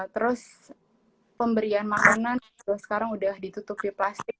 terus pemberian makanan juga sekarang udah ditutup di plastik